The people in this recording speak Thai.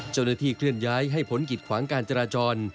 เจ้าหน้าที่เคลื่อนย้ายให้ผลกิดขวางการจราจร